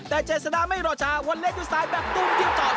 แต่เจศดาไม่รอชาวนเล็กด้วยสายแบบตุ้มเยี่ยมจอด